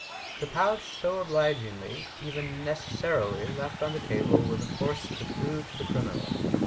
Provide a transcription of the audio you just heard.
The pouch, so obligingly, even necessarily, left on the table was of course the clue to the criminal.